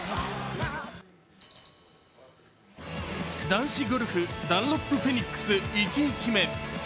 男子ゴルフダンロップフェニックス１日目。